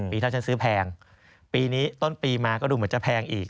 ปีถ้าฉันซื้อแพงปีนี้ต้นปีมาก็ดูเหมือนจะแพงอีก